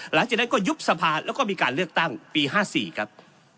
หลังจากนั้นก็ยุบสภาแล้วก็มีการเลือกตั้งปี๕๔ครับ